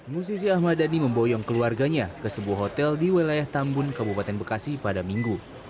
musisi ahmad dhani memboyong keluarganya ke sebuah hotel di wilayah tambun kabupaten bekasi pada minggu